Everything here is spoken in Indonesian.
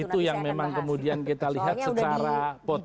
itu yang memang kemudian kita lihat secara potensi